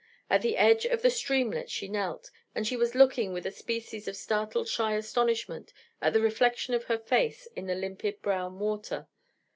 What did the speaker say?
At the edge of the streamlet she knelt, and she was looking with a species of startled shy astonishment at the reflexion of her face in the limpid brown water.